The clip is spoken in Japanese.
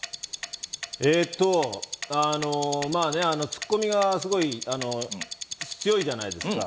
ツッコミがすごい強いじゃないですか。